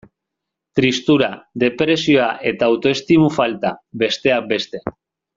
Tristura, depresioa eta autoestimu falta, besteak beste.